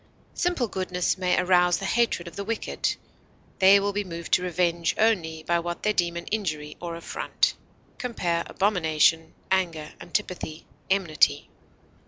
Simple goodness may arouse the hatred of the wicked; they will be moved to revenge only by what they deem an injury or affront. Compare ABOMINATION; ANGER; ANTIPATHY; ENMITY.